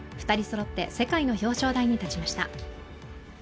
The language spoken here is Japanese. ２人そろって世界の表彰台に立ちました。